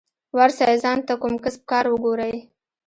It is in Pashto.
ورسئ ځان ته کوم کسب کار وگورئ.